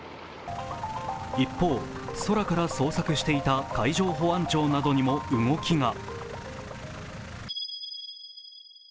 一方、空から捜索していた海上保安庁などにも動きが。